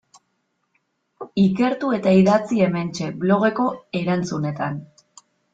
Ikertu eta idatzi hementxe, blogeko erantzunetan.